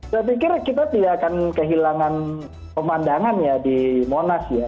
saya pikir kita tidak akan kehilangan pemandangan ya di monas ya